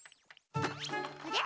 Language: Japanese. あれ？